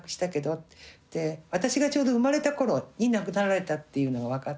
私がちょうど生まれた頃に亡くなられたっていうのが分かって。